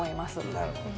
なるほど。